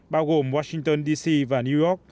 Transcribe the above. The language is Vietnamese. bao gồm washington d c và new york